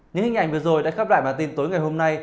những hình ảnh vừa rồi đã khép lại bản tin tối ngày hôm nay